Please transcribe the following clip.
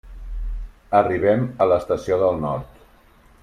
Arribem a l'Estació del Nord.